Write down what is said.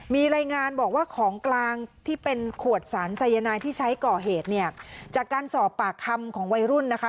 มีรายงานบอกว่าของกลางที่เป็นขวดสารสายนายที่ใช้ก่อเหตุเนี่ยจากการสอบปากคำของวัยรุ่นนะคะ